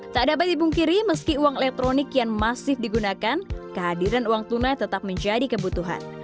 tak dapat dibungkiri meski uang elektronik yang masif digunakan kehadiran uang tunai tetap menjadi kebutuhan